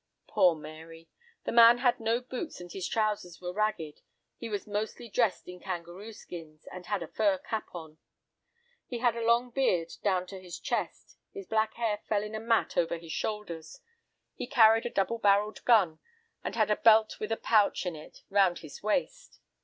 Poor Mary! The man had no boots, and his trousers were ragged, he was mostly dressed in kangaroo skins, and had a fur cap on. "'He had a long beard down to his chest; his black hair fell in a mat over his shoulders. He carried a double barrelled gun, and had a belt with a pouch in it round his waist.